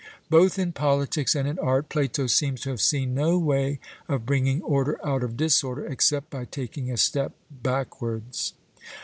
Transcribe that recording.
Both in politics and in art Plato seems to have seen no way of bringing order out of disorder, except by taking a step backwards.